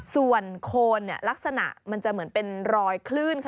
ส่วนโคนลักษณะมันจะเหมือนเป็นรอยคลื่น